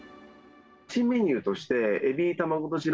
新メニューとして、エビ玉子とじ